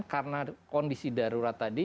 karena kondisi darurat tadi